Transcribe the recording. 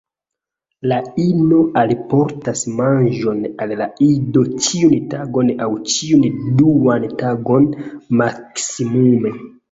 La ino alportas manĝon al la ido ĉiun tagon aŭ ĉiun duan tagon maksimume.